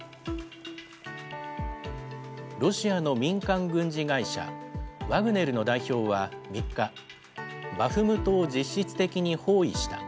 ロシアの民間軍事会社、ワグネルの代表は３日、バフムトを実質的に包囲した。